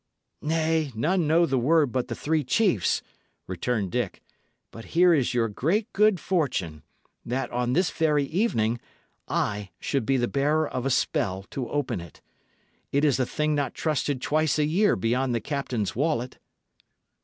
"Nay, none know the word but the three chiefs," returned Dick; "but here is your great good fortune, that, on this very evening, I should be the bearer of a spell to open it. It is a thing not trusted twice a year beyond the captain's wallet."